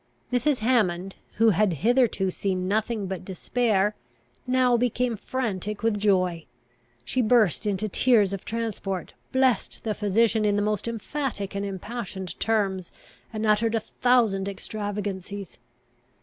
Mrs. Hammond, who had hitherto seen nothing but despair, now became frantic with joy. She burst into tears of transport, blessed the physician in the most emphatic and impassioned terms, and uttered a thousand extravagancies.